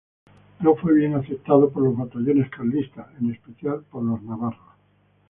No fue bien aceptado por los batallones carlistas, en especial por los navarros.